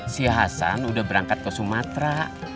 si hasan udah berangkat ke sumatera